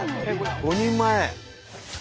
５人前！